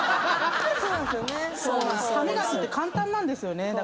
そうなんですよね。